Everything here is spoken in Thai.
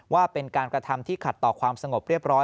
ว่าเป็นการกระทำที่ขัดต่อความสงบเรียบร้อย